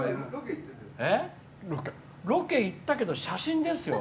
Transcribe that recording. ロケ行ったけど写真ですよ！